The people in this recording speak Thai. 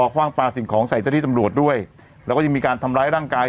คว่างปลาสิ่งของใส่เจ้าที่ตำรวจด้วยแล้วก็ยังมีการทำร้ายร่างกาย